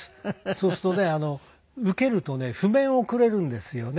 そうするとねウケるとね譜面をくれるんですよね。